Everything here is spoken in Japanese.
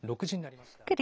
６時になりました。